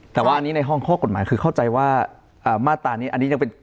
แต่ว่าอันนี้ในห้องข้อกฎหมายคือเข้าใจว่ามาตรานี้อันนี้ยังเป็น